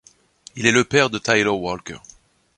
Il est le père de Tyler Walker.